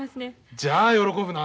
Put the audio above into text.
じゃあ喜ぶな。